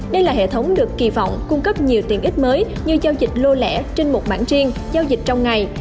đây là hệ thống được kỳ vọng cung cấp nhiều tiện ích mới như giao dịch lô lẻ trên một bản riêng giao dịch trong ngày